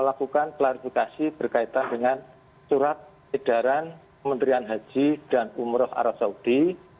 melakukan klarifikasi berkaitan dengan surat edaran kementerian haji dan umroh arab saudi